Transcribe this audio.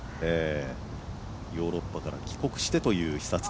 ヨーロッパから帰国してという久常。